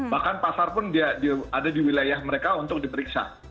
bahkan pasar pun ada di wilayah mereka untuk diperiksa